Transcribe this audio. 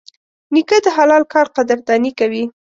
نیکه د حلال کار قدرداني کوي.